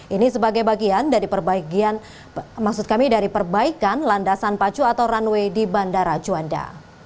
ini sebagai bagian dari perbaikan landasan pacu atau runway di bandara juanda